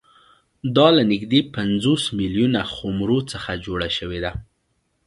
دا له نږدې پنځوس میلیونه خُمرو څخه جوړه شوې ده